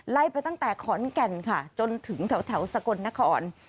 ไล่ไปตั้งแต่ขอนแก่นค่ะจนถึงแถวสกลนคร